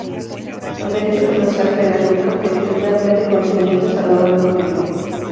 El derecho procesal penal busca objetivos claramente concernientes al orden público.